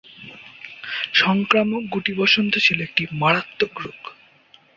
সংক্রামক গুটি বসন্ত ছিল একটি মারাত্মক রোগ।